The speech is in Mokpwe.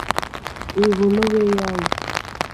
Hwèwòló hwé hwa.